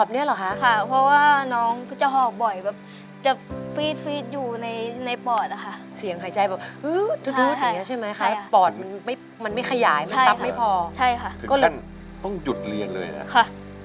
มันไม่ขยายมันสบไม่พอถึงแค่ต้องหยุดเรียนเลยอะ